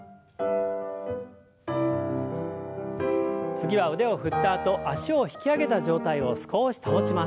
次は腕を振ったあと脚を引き上げた状態を少し保ちます。